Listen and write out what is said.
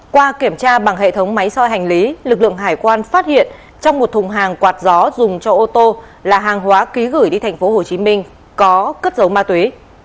qua kiểm tra bằng hệ thống máy soi hành lý lực lượng hải quan phát hiện trong một thùng hàng quạt gió dùng cho ô tô là hàng hóa ký gửi đi tp hcm có cất dấu ma túy